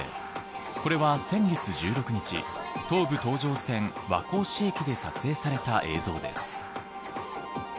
これは先月１６日東武東上線和光市駅で撮影された映像です。